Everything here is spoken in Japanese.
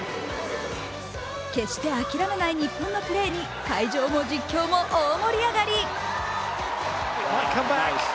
決して諦めない日本のプレーに会場も実況も大盛り上がり。